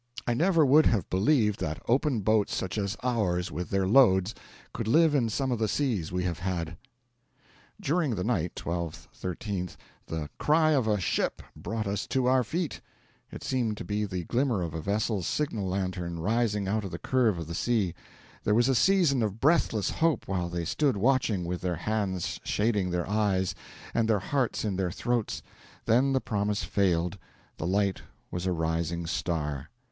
I never would have believed that open boats such as ours, with their loads, could live in some of the seas we have had. During the night, 12th 13th, 'the cry of A SHIP! brought us to our feet.' It seemed to be the glimmer of a vessel's signal lantern rising out of the curve of the sea. There was a season of breathless hope while they stood watching, with their hands shading their eyes, and their hearts in their throats; then the promise failed: the light was a rising star.